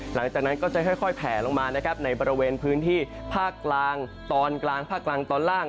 หลังจากนั้นก็จะค่อยแผลลงมานะครับในบริเวณพื้นที่ภาคกลางตอนกลางภาคกลางตอนล่าง